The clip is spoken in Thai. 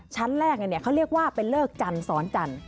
ชั้นแรกเขาเรียกว่าเป็นเลิกจันทร์สอนจันทร์